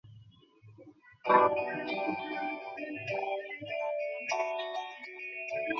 এখানে একটু বসো!